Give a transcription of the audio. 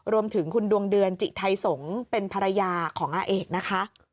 รวมถึงคุณดวงเดือนจิไทยสงฆ์เป็นภรรยาของอาเอกนะคะ